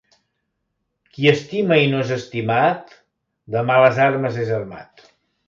Qui estima i no és estimat de males armes és armat.